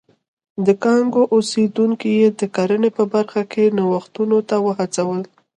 د کانګو اوسېدونکي یې د کرنې په برخه کې نوښتونو ته وهڅول.